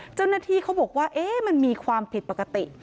เจ้าหน้าที่เขาบอกว่ามันมีความผิดปกติ